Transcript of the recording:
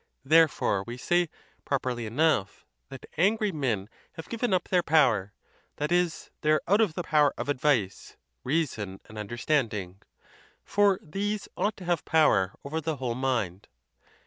Therefore we say, properly enough, that angry men have given up their power, that is, they are out of the power of advice, reason, and understanding; for these ought to have power over the whole mind.